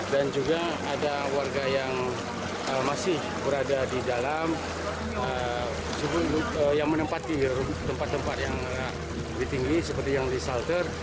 dan juga ada warga yang masih berada di dalam yang menempati tempat tempat yang lebih tinggi seperti yang di salter